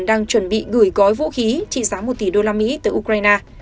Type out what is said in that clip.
đang chuẩn bị gửi gói vũ khí trị giá một tỷ usd tới ukraine